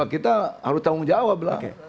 kita harus tanggung jawab